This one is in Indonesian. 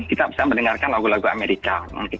kita bisa mendengarkan lagu lagu amerika